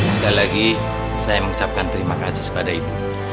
sekali lagi saya mengucapkan terima kasih kepada ibu